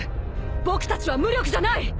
僕たちは無力じゃない！